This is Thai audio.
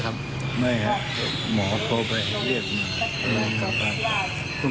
เก็บไปร้อยวัน